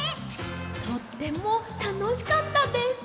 とってもたのしかったです！